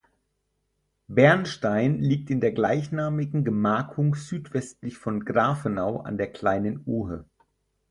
Bärnstein liegt in der gleichnamigen Gemarkung südwestlich von Grafenau an der Kleinen Ohe.